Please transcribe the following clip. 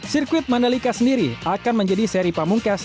sirkuit mandalika sendiri akan menjadi seri pamungkas